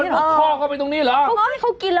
เป็นท่อเข้าไปตัวนี้เหรอ